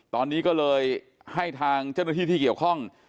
ตอนนี้ก็เลยให้ทางเจ้าหน้าที่ที่เกี่ยวข้อง